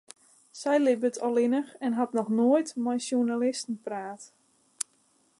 Sy libbet allinnich en hat noch noait mei sjoernalisten praat.